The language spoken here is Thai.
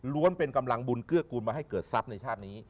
เป็นกำลังบุญเกื้อกูลมาให้เกิดทรัพย์ในชาตินี้